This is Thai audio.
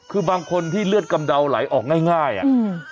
คือบางคนที่เลือดกำเดาไหลออกง่ายง่ายอ่ะอืม